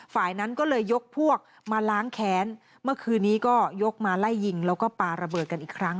ฝ่ายนั้นก็เลยยกพวกมาล้างแค้นเมื่อคืนนี้ก็ยกมาไล่ยิงแล้วก็ปาระเบิดกันอีกครั้ง